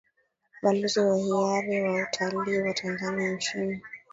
Balozi wa hiari wa Utalii wa Tanzania nchini